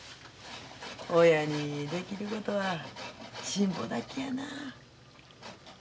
親にできることは辛抱だけやなあ。